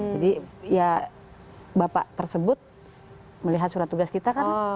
ya bapak tersebut melihat surat tugas kita kan